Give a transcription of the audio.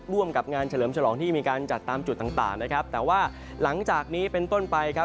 ร่วมกับงานเฉลิมฉลองที่มีการจัดตามจุดต่างต่างนะครับแต่ว่าหลังจากนี้เป็นต้นไปครับ